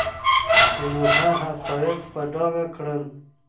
سینوهه حقایق په ډاګه کړل.